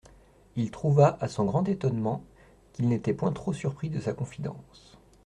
Il trouva, à son grand étonnement, qu'il n'était point trop surpris de sa confidence.